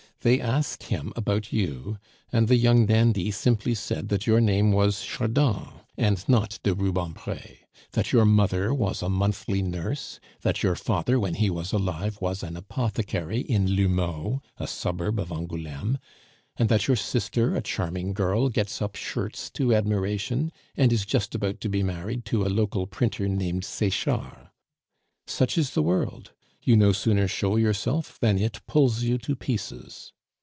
They asked him about you, and the young dandy simply said that your name was Chardon, and not de Rubempre; that your mother was a monthly nurse; that your father, when he was alive, was an apothecary in L'Houmeau, a suburb of Angouleme; and that your sister, a charming girl, gets up shirts to admiration, and is just about to be married to a local printer named Sechard. Such is the world! You no sooner show yourself than it pulls you to pieces.